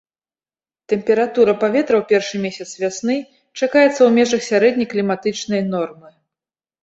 Тэмпература паветра ў першы месяц вясны чакаецца ў межах сярэдняй кліматычнай нормы.